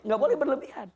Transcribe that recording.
gak boleh berlebihan